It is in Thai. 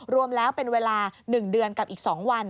รวมแล้วเป็นเวลา๑เดือนกับอีก๒วัน